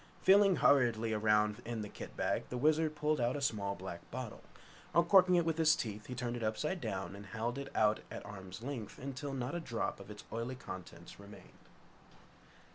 Feeling hurriedly around in the kit bag, the Wizard pulled out a small, black bottle. Uncorking it with his teeth, he turned it upside down and held it out at arm's length until not a drop of its oily contents remained.